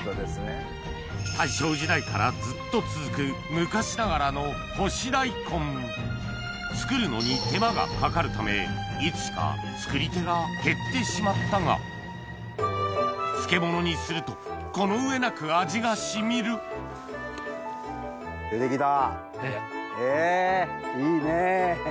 大正時代からずっと続く昔ながらの干し大根作るのに手間がかかるためいつしか作り手が減ってしまったが漬物にするとこの上なく味が染みる出て来たいいね！